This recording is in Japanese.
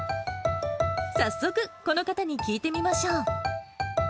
早速、この方に聞いてみましょう。